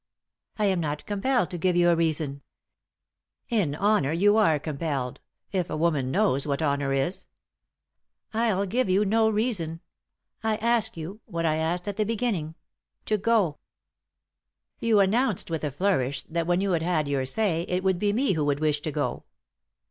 " I am not compelled to give you a reason." "In honour you are compelled — if a woman knows what honour is." "I'll give you no reason. I ask you — what I asked at the beginning — to go." *9 3i 9 iii^d by Google THE INTERRUPTED KISS "You announced, with a flourish, that when you had had your say it would be me who would wish to go."